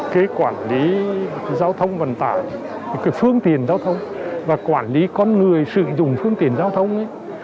cái quản lý giao thông vận tải một cái phương tiện giao thông và quản lý con người sử dụng phương tiện giao thông ấy